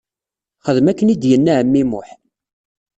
Xdem akken i d-yenna ɛemmi Muḥ.